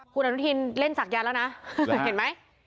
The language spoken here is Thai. คุณอนุทินเล่นศักยันต์แล้วนะเห็นไหม